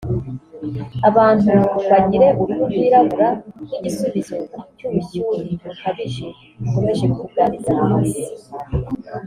abantu bagire uruhu rw’irabura nk’igisubizo cy’ubushyuhe bukabije bukomeje kugariza isi